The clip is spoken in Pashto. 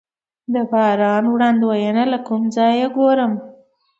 د باران وړاندوینه له کوم ځای وګورم؟